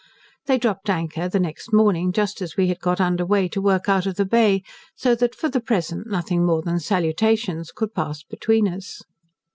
They dropped anchor the next morning, just as we had got under weigh to work out of the Bay, so that for the present nothing more than salutations could pass between us.